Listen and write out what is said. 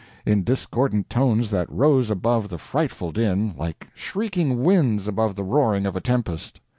in discordant tones that rose above the frightful din like shrieking winds above the roaring of a tempest.